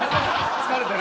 疲れてる？